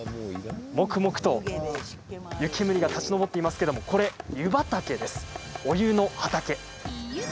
もくもくと湯煙が立ち上っていますけどもこれ湯畑です、お湯の畑。